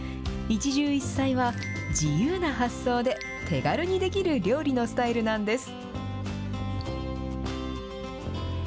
一汁一菜は、自由な発想で、手軽にできる料理のスタイルなんです。